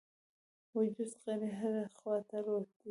وجود غړي هري خواته الوتل.